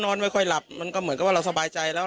ไม่ค่อยหลับมันก็เหมือนกับว่าเราสบายใจแล้ว